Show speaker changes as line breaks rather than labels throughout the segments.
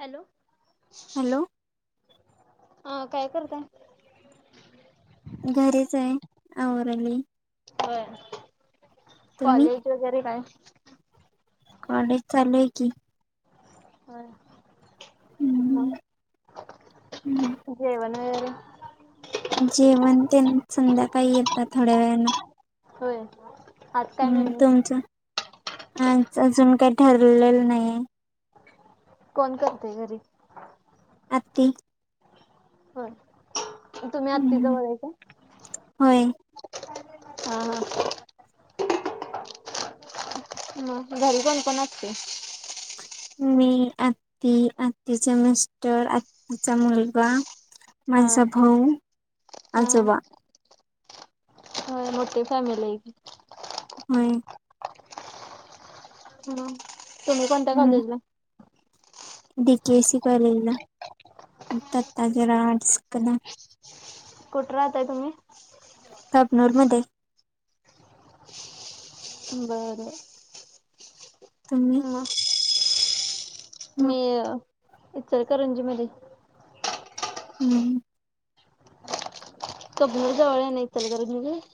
Hello.
Hello.
हा काय करताय?
घरीच आहे आवराली.
होय
तुम्ही
कॉलेज वगैरे काय
कॉलेज चालूय की. हम्म हम्म.
[unintelligible] [inaudible] जेवण वगैरे?
जेवण ते संध्याकाळी येतात थोड्या वेळानं
होय. आज काय
हम्
मेनू?
तुमचं अजून काही ठरलेलं नाहीये.
कोण करते घरी
आत्ती
होय तुम्ही आत्ती
हम्म
जवळ बोलायचा
होय
हा हा म घरी कोण कोण असतय?
मी आत्ती आत्तीचं मिस्टर आत्तीचा मुलगा
हा
माझा भाऊ,
हा
आजोबा
[unintelligible] मोठी फॅमिलीय की
होय
ह तुम्ही कोणत्या
हम्म
कॉलेजलाय?
डी के ए सी कॉलेजला तत्जर [unintelligible] आर्टस करा
कुठं राहताय तुम्ही?
काबनूर मध्ये
बरं.
तुम्ही?
ह मी इचच करुंजी मध्ये
हम्म.
कबरजवळ नाही तरल तर म्हे [unintelligible] [inaudible]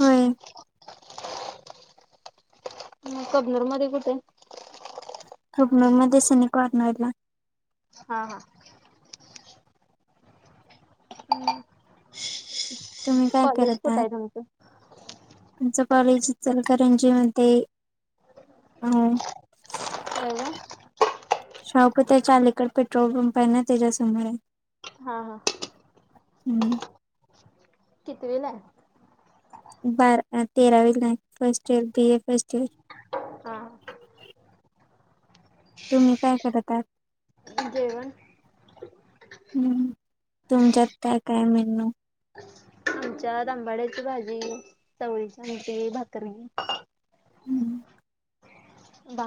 होय.
कबनूर मध्ये कुठे?
हुकनूर मध्ये सनी कॉर्नरला
हा हा हम्
तुम्ही काय
कॉलेज कुठं आहे तुमचं
आमचं कॉलेज चल का रणजी म अ
होय काय?
शावक त्या लकड पेट्रोल पंप आहे ना त्याच्यासमोर
हा हा
हम्म
किती वेला
बारा तेरा वेला first year B A first year
हा
तुम्ही काय करतात
जेवण
हम्म तुमच्यात काय काय मेनू
आमच्या तंबाड्याची भाजी चवळीच्या आची भाकर
हम्म
बा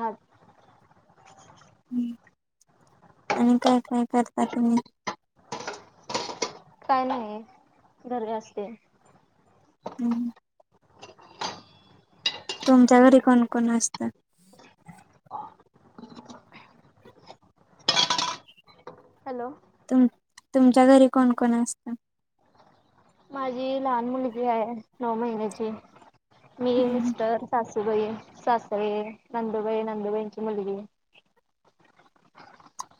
आणि काय काय करता तुम्ही
काय नाही घरी अस असते
हम्म तुमच्याकडे कोणकण असतं
हॅलो
तु तुमच्या घरी कोण कोण असतं
माझी लहान मुलगी आहे नऊ महिन्याची मी
हम्म
मिस्टर सासूबाई सासई नंदुबाई नंदुबाईंची मुलगी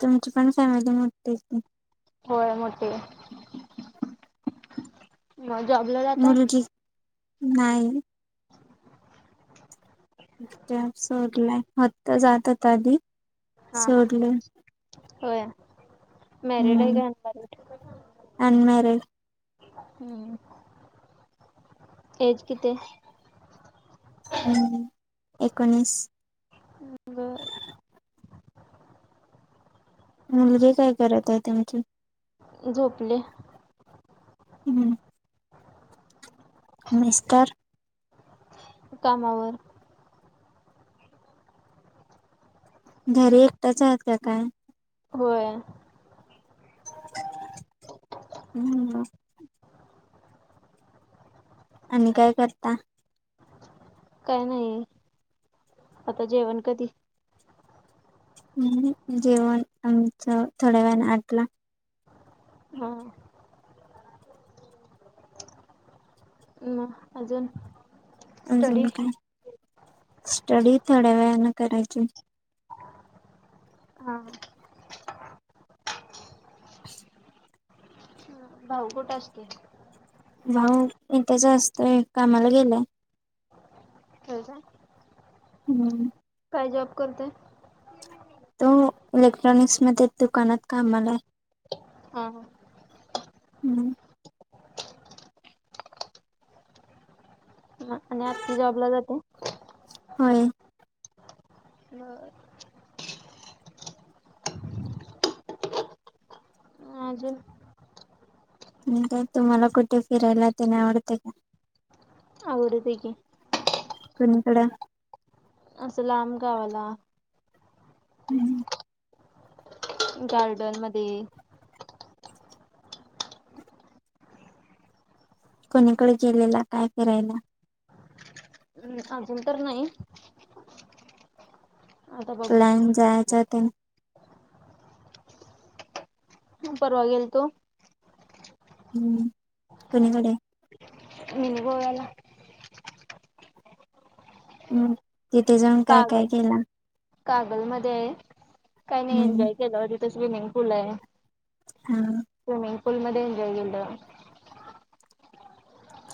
तुमची पण फॅमिली मोठी
होय मोठे मग जॉबला जाताय?
मुलगी नाही सोरलाय होत्ता जातता आधी
हा हा
सोडले
हो मॅरिड आहे
हम्म
का अनमॅरिड
अनमॅरिड
ह एज किती
हम् एकोणीस
आहे?
मुलगी काय करत आहे त्यांची
झोपले
हम्म मिस्टर
कामावर
घरी
हम्म.
एकट्याच आहेतात का काय
होय
हम् आणि काय करता
काय नाही आता जेवण कधी
ह् जेवण आमचं थोड्या वेण आटला
हा म अजून
अजून
स्टडी
काय स्टडी थोड्या वेळने करायची
हा
[unintelligible]
गोठ असते
भाऊ त्याच असतय कामाला गेलाय
कवच
हम्म
काय जॉब करते
तो इलेक्ट्रॉनिक्समध्येध्ये दुकानात कामलाय
हा ह
हम्म
हा आणि आती जाबला जाते
हो
म हजर
का तुम्हाला कुठे फिरायला ते नाही आवडते का
डते कि
कु णीकडे
अससला आम कावला
हम्
गार्डन मध्ये
कोणीकडे गेलेला काय करायला
ह् अजून तर नाही आता बघू
प्लॅन जायच्या ते
ह पर्वा गेलतो
हम्म कोणीकडे
मीन गोवाला
हम् तिथे जाऊन काय काय
कागल
केला
कागल मध्ये आहे काही नाही
हम्म
एन्जॉय केलंवर तिथे स्विमिंग पूल आहे
हा
स्विमिंग पूलमध्येध्ये एन्जॉय केलं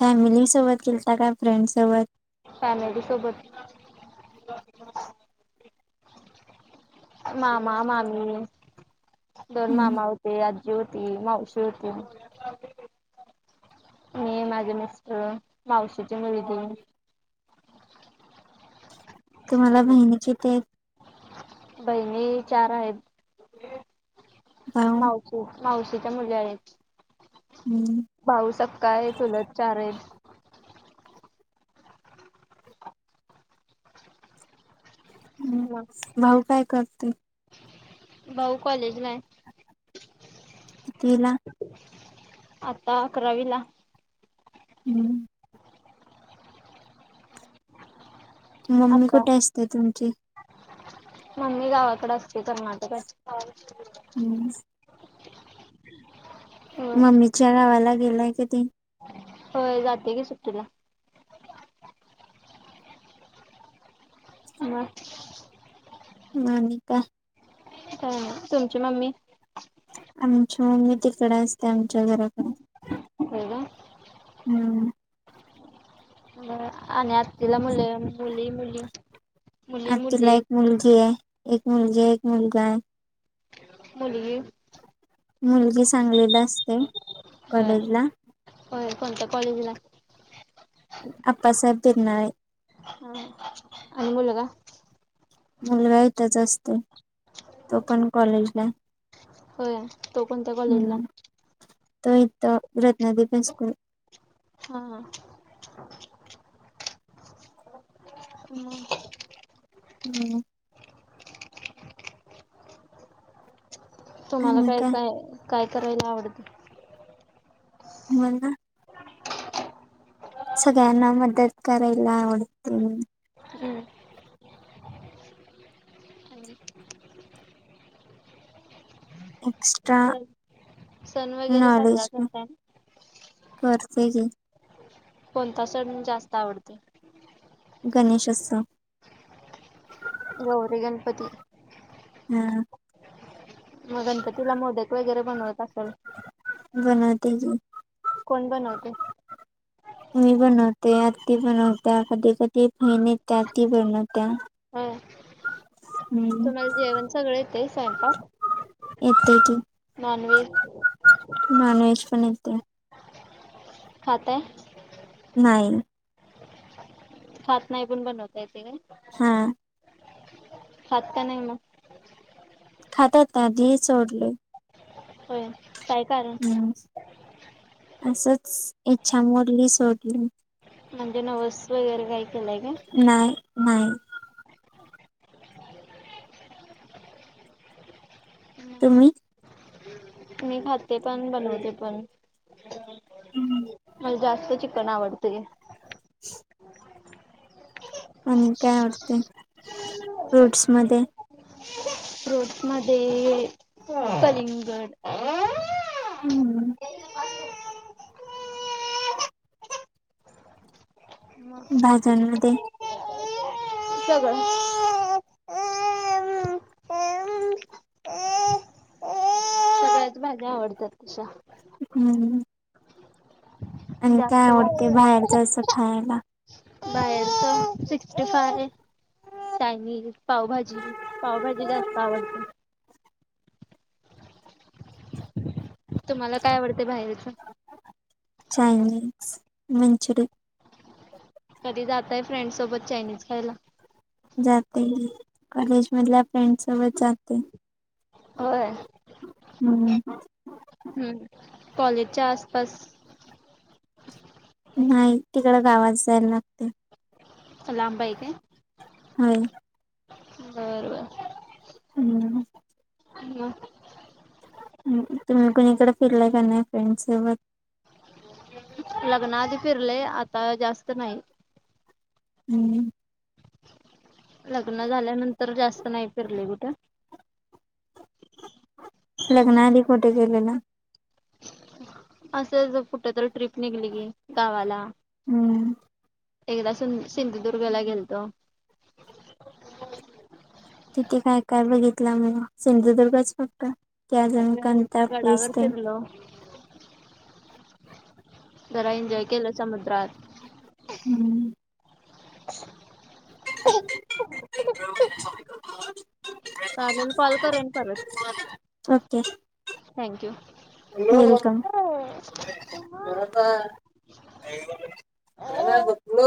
फॅमिलीसोबत गेलता काय फ्रेंडसोबत
फॅमिली सोबत मामा मामी दोन
हम्म
मामा होते होती मावशी होती. मी माझे मिस्टर मावशीची मुलगी
तुम्हाला बहिणीचे ते
बहिणी चार आहेत
भाऊ
मावशीच्या मुले आहेत.
हम्म
भाऊ सक्काय एक चुलत चार आहेत.
हम्
मग
भाऊ काय करते.
भाऊ कॉलेज ला
कितवीला
आता अक्रवीला
हम्म मम्मी
आता
कुठे असते तुमची
मम्मी गावाकडे असते कर्नाटक
हम्म
होय
मम्मीच्या गावाला गेलाय क तेी
होय जाते. की सुट्टीला म
मान का
ह तुमची मम्मी
आमची मम्मी तिकडे असते. आमच्या घराकडे
हो ना
हम्म
आणि आत्तीला मुलं मुली मुली मुली
आज तुला
मुले
एक मुलगी आहे एक मुलगी एक मुलगा आहे
मुली
मुलगी सांगली असते. कॉलेज ला
हो कोणत कॉलेजला
आप्पासाहेब बिरनाळे
ह आणि मुलगा
मुलगा इथच असतो. तो पण कॉलेजला
होय तो कोणत्या कॉलेजला
त इथ रत्नादेवी स्कूल
हा हम्
हम्
तुम्हाला काय काय काय करायला आवडते?
हम्म सगळ्यांना मदत करायला आवडते.
हम्म
एक्स्ट्रा
सण सण वगैरे साजरा
नॉलेज म
करताय ना?
करते घे
कोणता सण जास्त आवडते.
गणेशोत्सव
गौरी गणपती
हम्
मग गणपतीला मोदक वगैरे बनवत असेल?
बनते ही
कोण बनत
मी बनवते आती बनवत कधी कधी बहिणी येतात ती बनवत्या
ह
हम्म
तुम्हाला जेवण सगळ येत स्वयंपाक नॉन वज
नान वेज पण येते
खाताय
नाही
खात नाही पण बनवताय येते का
हा
खात का नाही म
खातात ना धी सोडले
हो
हम् असच इच्छा मोरली सोडली
म्हणजे नवस वगैरे काय केलंय का
नाही नाही तुम्ही
मी खाते पण बनवते. पण मला जास्त चिकन आवडतय.
[unintelligible] आणि काय आवटते? फ्रूट्स मध्ये
फोट्स मध्ये कलिंगड
हम्म भाज्यांमध्ये
सगळ भाग्या आवडतात तश
हम्म आणि काय आवडते बाहेर
जास्त
जायचं खायला
बाहेरच सिक्स्टी फय चायनीज पावभाजी पावभाजी जास्त आवडते तुम्हाला काय आवडते बाहेरचं
चयनीज मंचूरियन
कधीाताय फ्रेंड्सोबत चायनीज खायला
जात कॉलेज मधल्या फ्रेंड सोबत जात
होय
हम्म
ह् कॉलेजच्या आसपास
नाही तिकडं गावात जाईल ना
लांबाईक आहे
होय
बरोबर
हम्
हम्
तुम्ही कोणी इकडे फिरलाय का नाही फ्रेंड्स सोबत
लग्नाआधी फिरले आता जास्त नाही
हम्म
लग्न झाल्यानंतर जास्त नाही फिरले कुठे
लग्नाआध कुठे गेलेलं
असं कुठ तररी ट्रिप निघली की गावाला
हम्म
एकदा सिंधुदुर्गाला गेलतो
तिथे काय काय बघितलं मग सिंधुदुर्गच फक्त क जण कणता पसते
हो जरा एन्जॉय केलं समुद्रात
हम्म
चागल कॉल करेन परत
ओके
थँक्यू
हो का
हो.
नाही ना पुढे